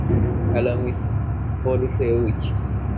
Hello, miss Borusewicz.